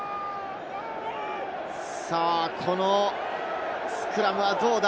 さぁ、このスクラムはどうだ？